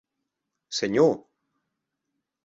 Senhor!